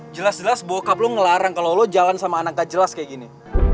jelas jelas bokap lo ngelarang kalo lo jalan sama anak gak jelas kayak gini